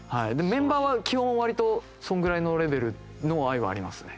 メンバーは基本割とそのぐらいのレベルの愛はありますね。